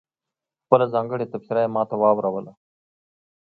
خپله ځانګړې تبصره یې ماته واوروله.